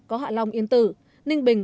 có hạ long yên tử ninh bình